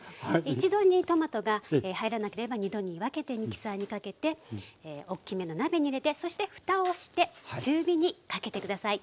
一度にトマトが入らなければ２度に分けてミキサーにかけておっきめの鍋に入れてそしてふたをして中火にかけて下さい。